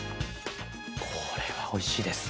これはおいしいです。